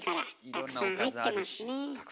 たくさん入ってます。